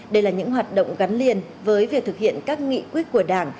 đây là những hoạt động gắn liền với việc thực hiện các nghị quyết của đảng